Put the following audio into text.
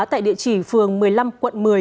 tại địa chỉ phường một mươi năm quận một mươi